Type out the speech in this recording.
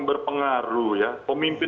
berpengaruh ya pemimpin